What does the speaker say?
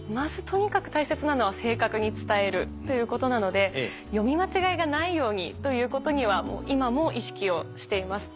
とにかく大切なのは正確に伝えるということなので読み間違いがないようにということには今も意識をしています。